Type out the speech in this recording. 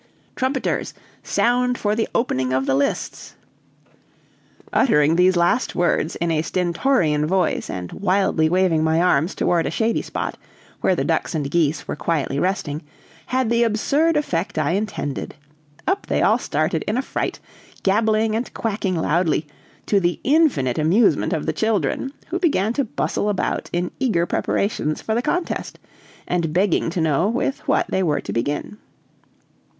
"Trumpeters! sound for the opening of the lists." Uttering these last words in a stentorian voice and wildly waving my arms toward a shady spot, where the ducks and geese were quietly resting, had the absurd effect I intended. Up they all started in a fright, gabbling and quacking loudly, to the infinite amusement of the children, who began to bustle about in eager preparations for the contest, and begging to know with what they were to begin.